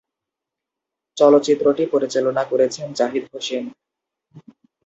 চলচ্চিত্রটি পরিচালনা করেছেন জাহিদ হোসেন।